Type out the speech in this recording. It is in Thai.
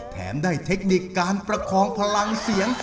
แถมได้เทคนิคการประคองพลังเสียง